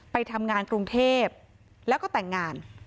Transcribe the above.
ไปทำงานกรุงเทพแล้วก็แต่งงาน